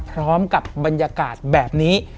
พร้อมกับบรรยากาศแบบนี้